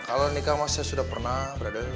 kalau nikah sama saya sudah pernah brother